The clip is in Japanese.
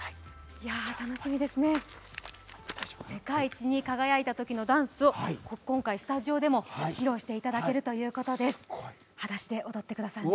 世界一に輝いたときのダンスを今回、スタジオでも披露していただけるということです。